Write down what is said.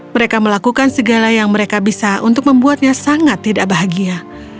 mereka melakukan segala yang mereka bisa untuk membuatnya sangat tidak bahagia